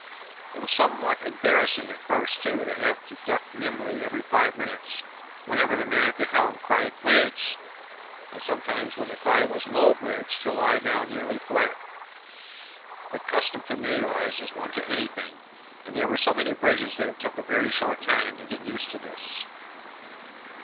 It was somewhat embarrassing at first, too, to have to duck nimbly every five minutes whenever the man at the helm cried 'Bridge!' and sometimes, when the cry was 'Low Bridge,' to lie down nearly flat. But custom familiarises one to anything, and there were so many bridges that it took a very short time to get used to this.